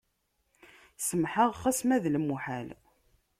Semḥeɣ xas ma d lemuḥal.